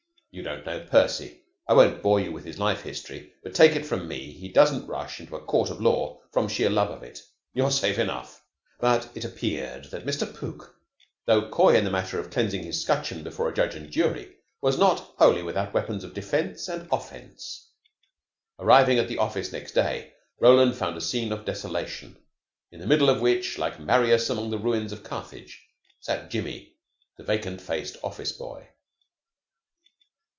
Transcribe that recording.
"You don't know Percy. I won't bore you with his life history, but take it from me he doesn't rush into a court of law from sheer love of it. You're safe enough." But it appeared that Mr. Pook, tho coy in the matter of cleansing his scutcheon before a judge and jury, was not wholly without weapons of defense and offense. Arriving at the office next day, Roland found a scene of desolation, in the middle of which, like Marius among the ruins of Carthage, sat Jimmy, the vacant faced office boy.